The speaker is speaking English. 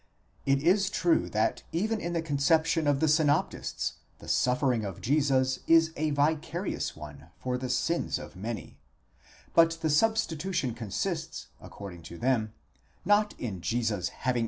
It is true thateven in the conception of the synoptists, the suffering of Jesus is a vicarious one for the sins of many ; but the substitution consists, according to them, not in 1 Orig.